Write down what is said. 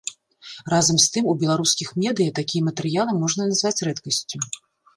Разам з тым, у беларускіх медыя такія матэрыялы можна назваць рэдкасцю.